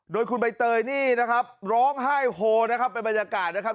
โดยคุณบายเตยนี่นะครับร้องให้โหเป็นบรรยากาศนะครับ